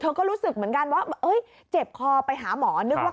ก็รู้สึกเหมือนกันว่าเจ็บคอไปหาหมอนึกว่า